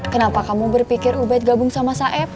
kenapa kamu berpikir ubed gabung sama saib